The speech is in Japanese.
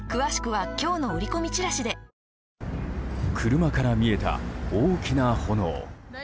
車から見えた大きな炎。